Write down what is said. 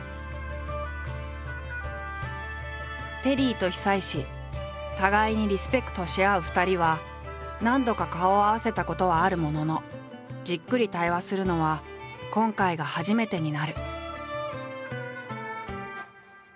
テリーと久石互いにリスペクトし合う２人は何度か顔を合わせたことはあるもののじっくり対話するのは今回が初めてになる。